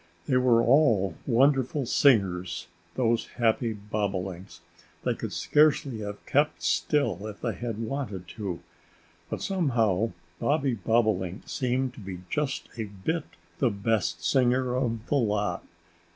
They were all wonderful singers those happy Bobolinks. They could scarcely have kept still if they had wanted to. But somehow Bobby Bobolink seemed to be just a bit the best singer of the lot.